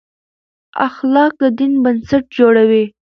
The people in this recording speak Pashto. اخلاق د دین بنسټ جوړوي.